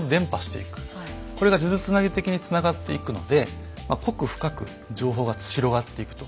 これが数珠つなぎ的につながっていくので濃く深く情報が広がっていくと。